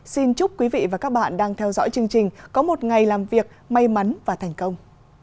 xin chúc quý vị và các bạn đang theo dõi chương trình có một ngày làm việc may mắn và thành công